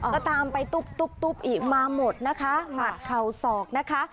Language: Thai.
ก็ตามไปตุ๊บตุ๊บตุ๊บอีกมาหมดนะคะหัดเข่าศอกนะคะ